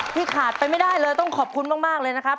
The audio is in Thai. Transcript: ขาดไปไม่ได้เลยต้องขอบคุณมากเลยนะครับ